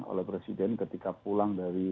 oleh presiden ketika pulang dari